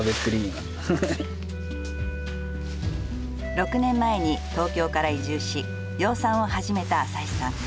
６年前に東京から移住し養蚕を始めた浅井さん。